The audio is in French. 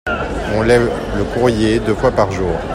On lève le courrier deux fois par jour.